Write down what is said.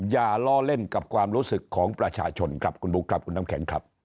อย่าล้อเล่นกับความรู้สึกของประชาชนครับคุณบุ๊คครับคุณน้ำแข็งครับ